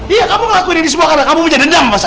iya kamu ngelakuin ini semua karena kamu punya dendam pak saya